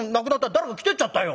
誰か着ていっちゃったよ。